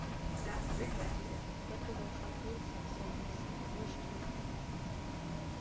Rue du Tigre, quatre-vingt-cinq mille cinq cent dix Rochetrejoux